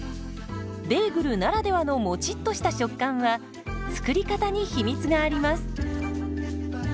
ベーグルならではのもちっとした食感は作り方に秘密があります。